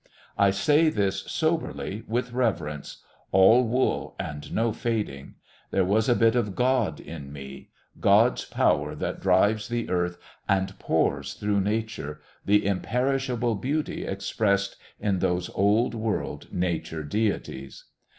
I say this soberly, with reverence ... all wool and no fading. There was a bit of God in me, God's power that drives the Earth and pours through Nature the imperishable Beauty expressed in those old world nature deities!